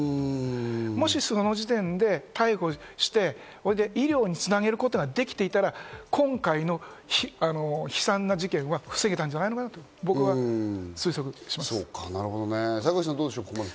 もしその時点で逮捕して医療につなげることができていたら、今回の悲惨な事件は防げたんじゃないかと僕は推測します。